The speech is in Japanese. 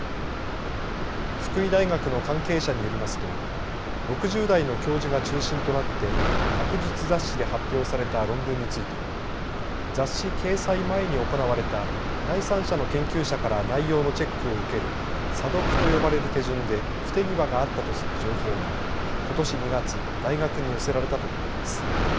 福井大学の関係者によりますと６０代の教授が中心となって学術雑誌で発表された論文について雑誌掲載前に行われた第三者の研究者から内容のチェックを受ける査読と呼ばれる手順で不手際があったとする情報がことし２月大学に寄せられたということです。